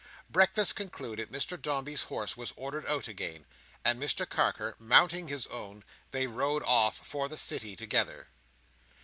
Breakfast concluded, Mr Dombey's horse was ordered out again, and Mr Carker mounting his own, they rode off for the City together.